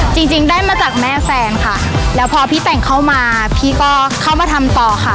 จริงจริงได้มาจากแม่แฟนค่ะแล้วพอพี่แต่งเข้ามาพี่ก็เข้ามาทำต่อค่ะ